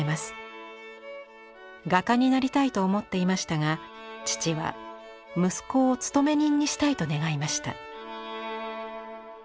画家になりたいと思っていましたが父は息子を勤め人にしたいと願いました。